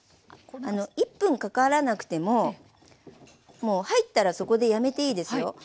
１分かからなくてももう入ったらそこでやめていいですよ。